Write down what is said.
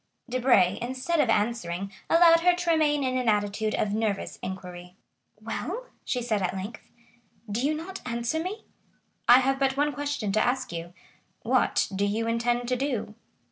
Debray, instead of answering, allowed her to remain in an attitude of nervous inquiry. "Well?" she said at length, "do you not answer me?" "I have but one question to ask you,—what do you intend to do?"